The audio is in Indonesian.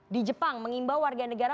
di jepang mengimbau warga negara